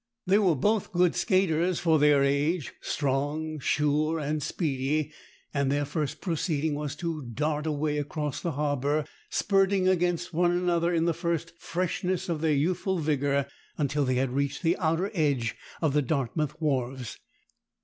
They were both good skaters for their age, strong, sure, and speedy, and their first proceeding was to dart away across the harbour, spurting against one another in the first freshness of their youthful vigour, until they had reached the outer edge of the Dartmouth wharves.